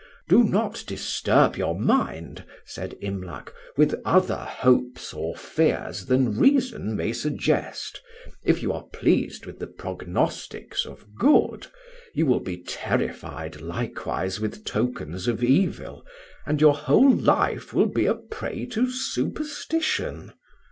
"Do not disturb your mind," said Imlac, "with other hopes or fears than reason may suggest; if you are pleased with the prognostics of good, you will be terrified likewise with tokens of evil, and your whole life will be a prey to superstition.